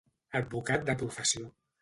Advocat de professió.